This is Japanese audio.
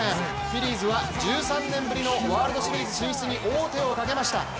フィリーズは１３年ぶりのワールドシリーズ進出に王手をかけました。